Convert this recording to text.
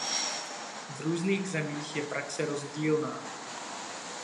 V různých zemích je praxe rozdílná.